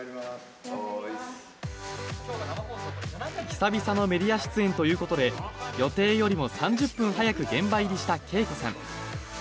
久々のメディア出演ということで、予定よりも３０分早く現場入りしたＫＥＩＫＯさん。